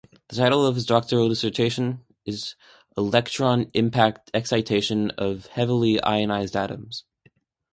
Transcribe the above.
The title of his doctoral dissertation is "Electron impact excitation of heavily ionized atoms".